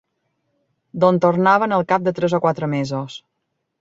D'on tornaven al cap de tres o quatre mesos